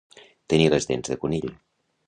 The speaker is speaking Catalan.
Tenir les dents de conill.